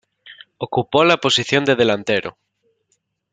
Ocupó la posición de delantero.